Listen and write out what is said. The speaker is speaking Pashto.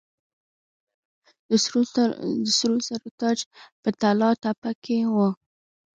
د سرو زرو تاج په طلا تپه کې و